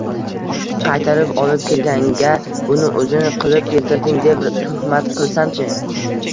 Qaytarib olib kelganga, buni o'zing qilib keltirding deb tuhmat qilsamchi?